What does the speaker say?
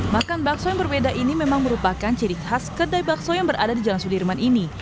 makan bakso yang berbeda ini memang merupakan ciri khas kedai bakso yang berada di jalan sudirman ini